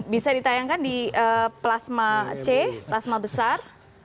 bisa ditayangkan di plasma c plasma besar